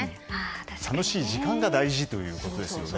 楽しい時間が大事ということですよね。